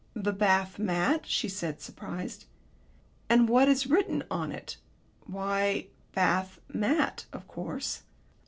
"The bath mat," she said, surprised. "And what is written on it?" "Why 'bath mat,' of course."